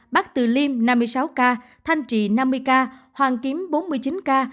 bắc từ liêm năm mươi sáu ca thanh trị năm mươi ca hoàn kiếm bốn mươi chín ca